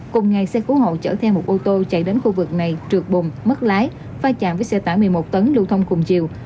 cùng ngày xe cứu hộ chở theo một ô tô chạy đến khu vực này trượt bùng mất lái pha chạm với xe tải một mươi một tấn lưu thông cùng chiều